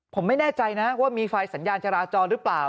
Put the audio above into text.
ผมไม่แน่ใจนะว่ามีไฟสัญญาณจราจรหรือเปล่า